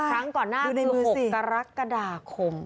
ครั้งก่อนหน้าคือ๖กรกฎาคม